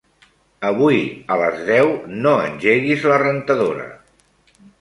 Avui a les deu no engeguis la rentadora.